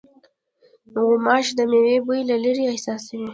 غوماشې د مېوې بوی له لېرې احساسوي.